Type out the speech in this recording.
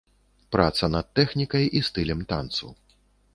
Праца над тэхнікай і стылем танцу.